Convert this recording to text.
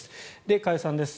加谷さんです。